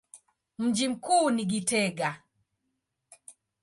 Mji mkuu ni Gitega.